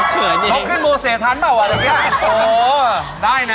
เขื่อนยิ่งหลบขึ้นโลเมษม์ทันหรือเปล่าอะไรนี้โอ้โหได้นะ